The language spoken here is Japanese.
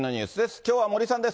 きょうは森さんです。